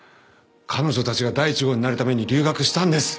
彼女たちが第一号になるために留学したんです。